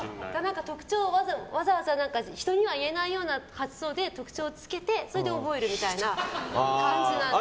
人には言えないような発想で特徴をつけて、それで覚えるみたいな感じなんですよ。